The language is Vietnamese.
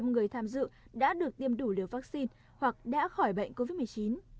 một trăm linh người tham dự đã được tiêm đủ liều vaccine hoặc đã khỏi bệnh covid một mươi chín